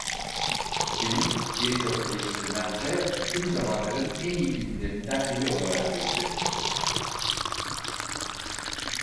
Film birçok eleştirmence tüm zamanların en iyi filmlerinden biri olarak gösterilmiştir.